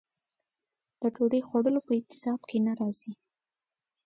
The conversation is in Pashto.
د ډوډۍ خوړلو په اعتصاب کې نه راځي.